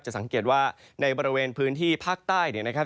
สังเกตว่าในบริเวณพื้นที่ภาคใต้เนี่ยนะครับ